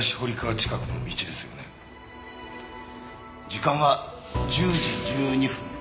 時間は１０時１２分。